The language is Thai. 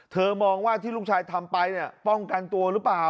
มองว่าที่ลูกชายทำไปเนี่ยป้องกันตัวหรือเปล่า